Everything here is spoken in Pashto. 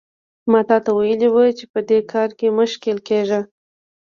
ما تاته ویلي وو چې په دې کار کې مه ښکېل کېږه.